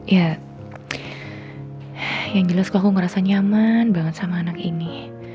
ya yang jelas kok aku ngerasa nyaman banget sama anak ini